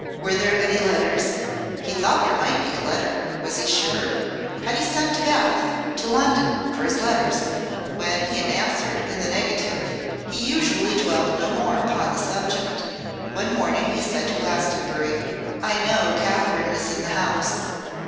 Were there any letters? He thought there might be a letter, was he sure? Had he sent to Bath; to London, for his letters?' When he was answered in the negative, he usually dwelt no more upon the subject. One morning he said to Glastonbury, 'I know Katherine is in the house.